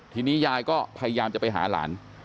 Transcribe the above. ทีนี้ยายก็พยายามจะไปหาหลาน